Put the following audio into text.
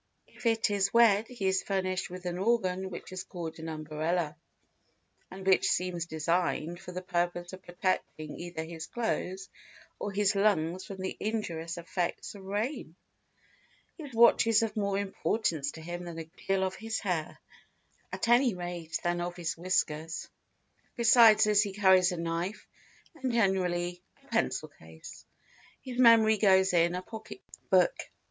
If it is wet he is furnished with an organ which is called an umbrella and which seems designed for the purpose of protecting either his clothes or his lungs from the injurious effects of rain. His watch is of more importance to him than a good deal of his hair, at any rate than of his whiskers; besides this he carries a knife, and generally a pencil case. His memory goes in a pocket book.